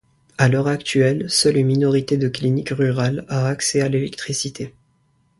À l'heure actuelle, seule une minorité de cliniques rurales a accès à l'électricité.